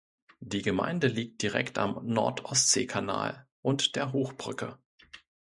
Die Gemeinde liegt direkt am Nord-Ostsee-Kanal und der Hochbrücke.